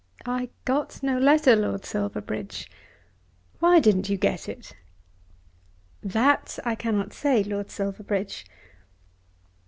"I got no letter, Lord Silverbridge." "Why didn't you get it?" "That I cannot say, Lord Silverbridge."